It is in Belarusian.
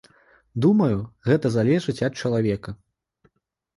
Думаю, гэта залежыць ад чалавека!